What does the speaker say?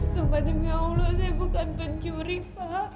supaya demi allah saya bukan pencuri pak